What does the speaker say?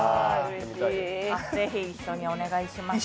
ぜひ一緒にお願いします。